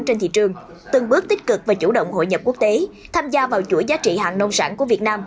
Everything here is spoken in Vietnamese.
trên thị trường từng bước tích cực và chủ động hội nhập quốc tế tham gia vào chuỗi giá trị hàng nông sản của việt nam